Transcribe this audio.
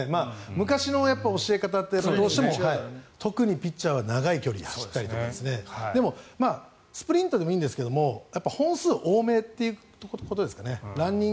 昔の教え方って特にピッチャーは長い距離を走ったりとかでも、スプリントでもいいんですが本数多めということですかね。